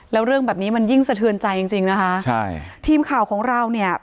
แล้วเรื่องแบบนี้มันยิ่งสะเทือนใจจริงจริงนะคะใช่ทีมข่าวของเราเนี่ย